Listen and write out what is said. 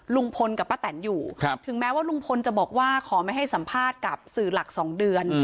ลุงพลกับป้าแตนอยู่ถึงแม้ว่าลุงพลจะบอกว่าขอไม่ให้สัมภาษณ์กับสื่อหลัก๒เดือน